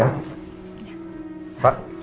pak terima kasih